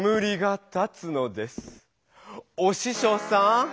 おししょうさん